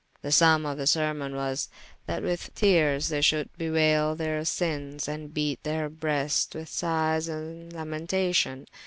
The summe of the sermon was, that with teares they should bewayle theyr sinnes, and beate their brestes with sighes and lamentation.